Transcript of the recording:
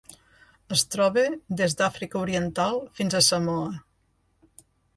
Es troba des d'Àfrica Oriental fins a Samoa.